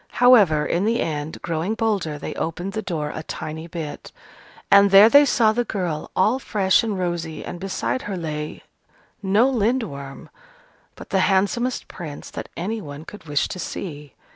However, in the end, growing bolder, they opened the door a tiny bit. And there they saw the girl, all fresh and rosy, and beside her lay no Lindworm, but the handsomest prince that any one could wish to see.